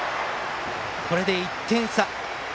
これで１点差。